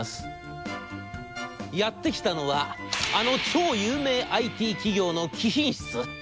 やって来たのはあの超有名ＩＴ企業の貴賓室。